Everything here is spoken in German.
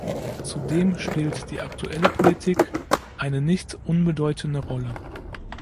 Zudem spielt die aktuelle Politik eine nicht unbedeutende Rolle.